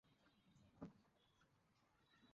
কি মনে হয় না, যার সাথে নেচেছিলে, সে শ্বেতাঙ্গ ছিল না?